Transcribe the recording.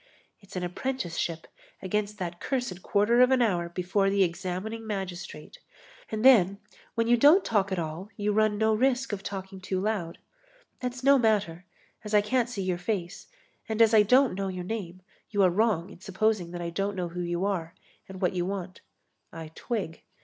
It's an apprenticeship against that cursed quarter of an hour before the examining magistrate. And then, when you don't talk at all, you run no risk of talking too loud. That's no matter, as I can't see your face and as I don't know your name, you are wrong in supposing that I don't know who you are and what you want. I twig.